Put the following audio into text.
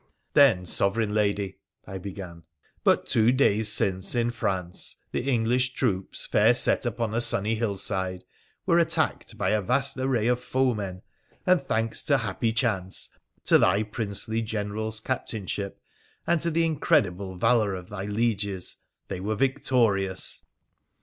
' Then, sovereign lady,' I began, ' but two days since, in France, the English troops, fair set upon a sunny hillside, were attacked by a vast array of foemen, and thanks to happy chance, to thy princely General's captainship, and to the incredible valour of thy lieges, they were victorious